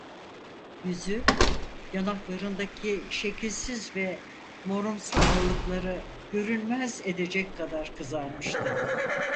Yüzü, yanaklarındaki şekilsiz ve morumsu allıkları görünmez edecek kadar kızarmıştı.